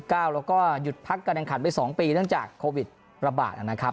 แล้วก็หยุดพักการแข่งขันไป๒ปีเนื่องจากโควิดระบาดนะครับ